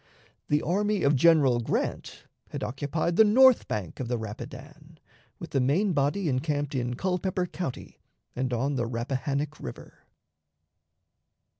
The army of General Grant had occupied the north bank of the Rapidan, with the main body encamped in Culpeper County and on the Rappahannock River.